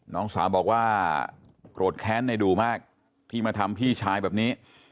น้องสาวบอกว่าโกรธแค้นในดูมากที่มาทำพี่ชายแบบนี้